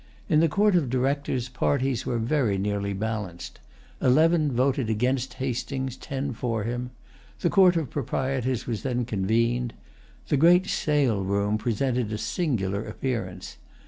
In the Court of Directors parties were very nearly balanced. Eleven voted against Hastings; ten for him. The Court of Proprietors was then convened. The great saleroom presented a singular appearance.